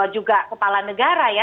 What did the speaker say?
juga kepala negara ya